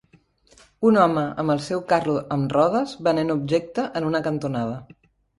Un home amb el seu carro amb rodes venent objecte en una cantonada.